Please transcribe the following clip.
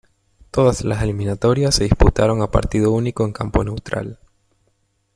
Todas las eliminatorias se disputaron a partido único en campo neutral.